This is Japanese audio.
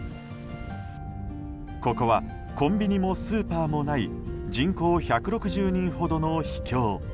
ここはコンビニもスーパーもない人口１６０人ほどの秘境。